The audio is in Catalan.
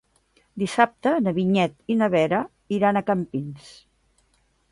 Dissabte na Vinyet i na Vera iran a Campins.